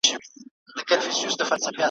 نه غوټۍ سته نه ګلاب یې دی ملګری د خوښیو ,